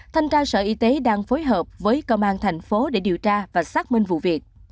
thanh tra sở y tế đang phối hợp với công an thành phố để điều tra và xác minh vụ việc